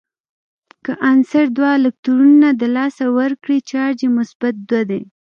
که عنصر دوه الکترونونه د لاسه ورکړي چارج یې مثبت دوه دی.